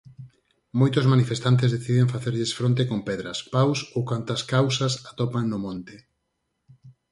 Moitos manifestantes deciden facerlles fronte con pedras, paus ou cantas causas atopan no monte.